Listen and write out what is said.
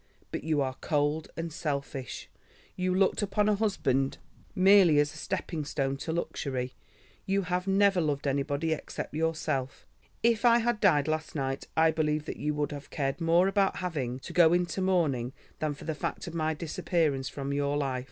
But you are cold and selfish; you looked upon a husband merely as a stepping stone to luxury; you have never loved anybody except yourself. If I had died last night I believe that you would have cared more about having to go into mourning than for the fact of my disappearance from your life.